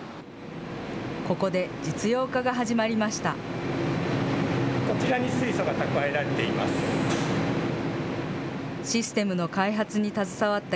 ここで実用化が始まりました。